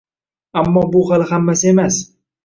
Ammo bu hali hammasi emas